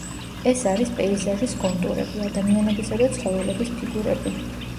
ეს არის პეიზაჟის კონტურები, ადამიანებისა და ცხოველების ფიგურები.